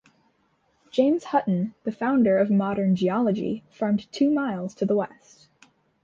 James Hutton, the founder of modern geology, farmed two miles to the west.